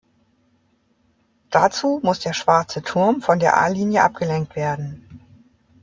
Dazu muss der schwarze Turm von der a-Linie abgelenkt werden.